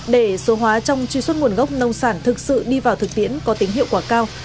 để số hóa trong truy xuất nguồn gốc nông sản thực sự đi vào thực tiễn có tính hiệu quả cao